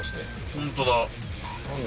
本当だ